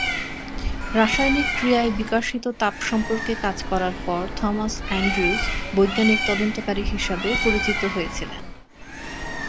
রাসায়নিক ক্রিয়ায় বিকাশিত তাপ সম্পর্কে কাজ করার পর থমাস অ্যান্ড্রুজ বৈজ্ঞানিক তদন্তকারী হিসাবে পরিচিত হয়েছিলেন।